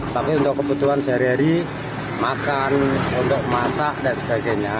tapi untuk kebutuhan sehari hari makan untuk masak dan sebagainya